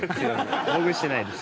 ぼく、してないです。